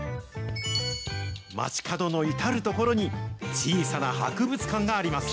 街角の至る所に小さな博物館があります。